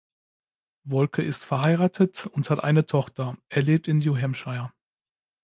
Wolke ist verheiratet und hat eine Tochter, er lebt in New Hampshire.